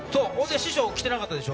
師匠来てなかったでしょ。